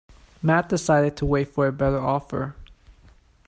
Matt decided to wait for a better offer.